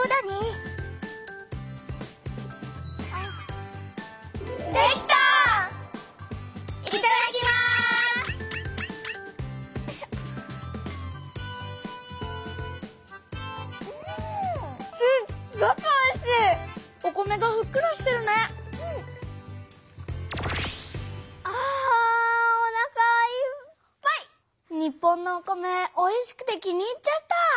日本のお米おいしくて気に入っちゃった！